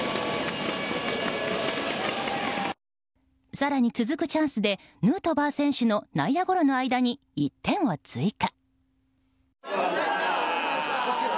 更に続くチャンスでヌートバー選手の内野ゴロの間に１点を追加。